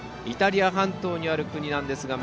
イタリア半島にある国です。